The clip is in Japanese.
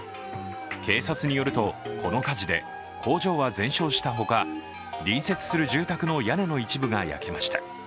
警察によると、この火事で工場は全焼したほか隣接する住宅の屋根の一部が焼けました。